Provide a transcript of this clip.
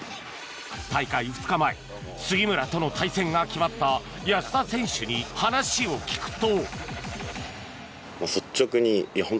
大会２日前杉村との対戦が決まった安田選手に話を聞くと。